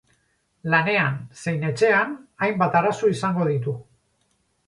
Lanean zein etxean hainbat arazo izango ditu.